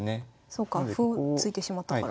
そうか歩突いてしまったから。